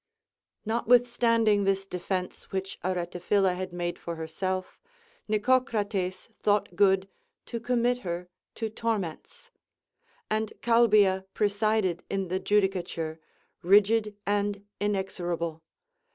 Notwithstanding this defence which Aretaphila had made for herself, Nicocrates thought good to commit her to tor ments ; and Calbia presided in the judicature, rigid and mexorable.